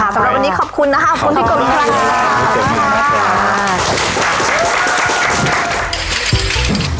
สำหรับวันนี้ขอบคุณนะฮะคุณพี่กลุ่มค่ะขอบคุณมาก